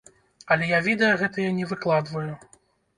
Але я відэа гэтыя не выкладваю.